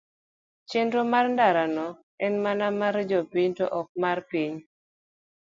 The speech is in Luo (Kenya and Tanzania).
chenro mar ndara no en mana mar jopiny to ok mar piny